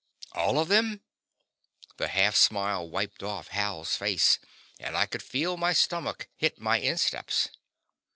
"All of them?" The half smile wiped off Hal's face, and I could feel my stomach hit my insteps.